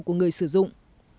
của người sử dụng